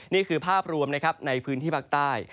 นี่คือภาพรวมนะครับในพื้นที่ภาคใต้